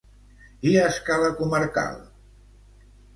I a escala comarcal?